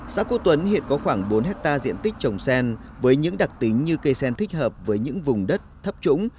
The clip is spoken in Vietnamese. xã quốc tuấn hiện có khoảng bốn hectare diện tích trồng sen với những đặc tính như cây sen thích hợp với những vùng đất thấp trũng